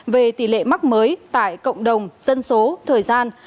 về tỷ lệ mắc mới tại cộng đồng dân số thời gian